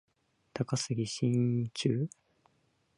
高杉真宙